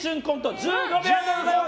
１５秒でございます。